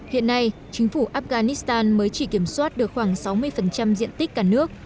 hiện nay chính phủ afghanistan mới chỉ kiểm soát được khoảng sáu mươi diện tích cả nước